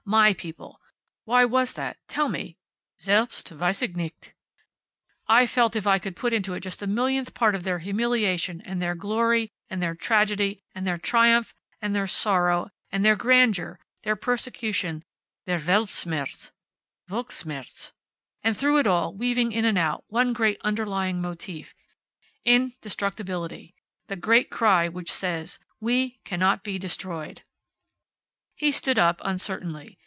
My people. Why was that? Tell me. Selbst, weiss ich nicht. I felt that if I could put into it just a millionth part of their humiliation, and their glory; their tragedy and their triumph; their sorrow, and their grandeur; their persecution, their weldtschmerz. Volkschmerz. That was it. And through it all, weaving in and out, one great underlying motif. Indestructibility. The great cry which says, `We cannot be destroyed!'" He stood up, uncertainly.